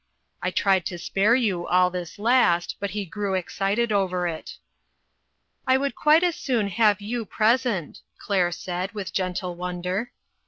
I tried to spare you all this last, but he grew excited over it." " I would quite as soon have you pres ent," Claire said, with gentle wonder.